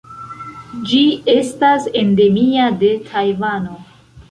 Ĝi estas endemia de Tajvano.